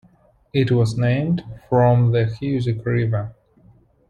It was named from the Hoosic River.